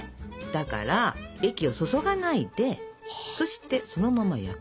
だから液を注がないでそしてそのまま焼くと。